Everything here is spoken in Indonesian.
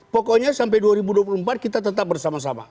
pokoknya sampai dua ribu dua puluh empat kita tetap bersama sama